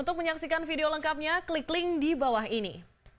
untuk menyaksikan video lengkapnya klik link di bawah ini